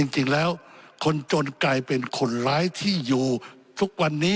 จริงแล้วคนจนกลายเป็นคนร้ายที่อยู่ทุกวันนี้